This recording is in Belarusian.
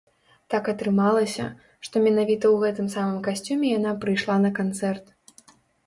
Так атрымалася, што менавіта ў гэтым самым касцюме яна прыйшла на канцэрт.